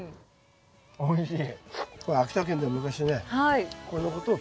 おいしい。